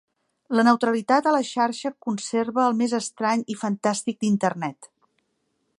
La neutralitat a la xarxa conserva el més estrany i fantàstic d'Internet.